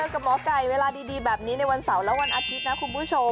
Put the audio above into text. กับหมอไก่เวลาดีแบบนี้ในวันเสาร์และวันอาทิตย์นะคุณผู้ชม